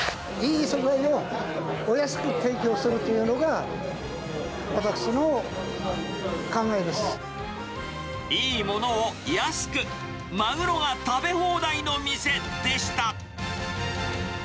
いい素材をお安く提供するといいものを安く、マグロが食べ放題の店でした。